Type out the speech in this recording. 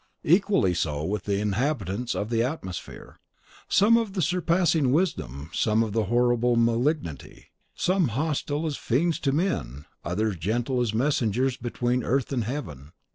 Equally so with the inhabitants of the atmosphere: some of surpassing wisdom, some of horrible malignity; some hostile as fiends to men, others gentle as messengers between earth and heaven.